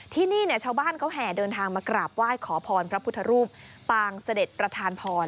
ที่นี่ชาวบ้านเขาแห่เดินทางมากราบไหว้ขอพรพระพุทธรูปปางเสด็จประธานพร